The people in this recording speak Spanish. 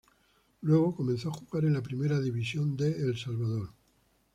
Luego comenzó a jugar en la Primera División de El Salvador.